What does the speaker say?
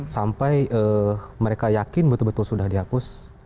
sampai mereka yakin betul betul sudah dihapus